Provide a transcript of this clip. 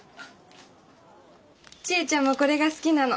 ちえちゃんもこれが好きなの。